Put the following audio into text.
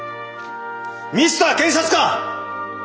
ミスター検察官！